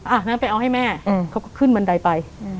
งั้นไปเอาให้แม่เขาก็ขึ้นบันไดไป